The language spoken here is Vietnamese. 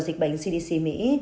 dịch bệnh cdc mỹ